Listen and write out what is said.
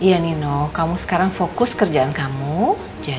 aku langsung berangkat ya